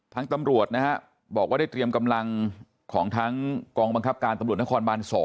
ตำรวจนะฮะบอกว่าได้เตรียมกำลังของทั้งกองบังคับการตำรวจนครบาน๒